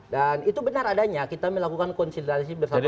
dan itu benar adanya kita melakukan konsolidasi bersama beliau